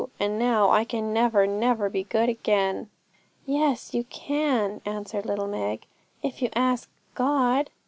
And now I can never, never be good again.' 'Yes, you can,' answered little Meg, 'if you ask God.'